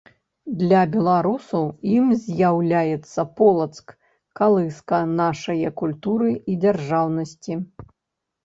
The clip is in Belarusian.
Для Беларусаў ім зьяўляецца Полацак - калыска нашае культуры і дзяржаўнасьці.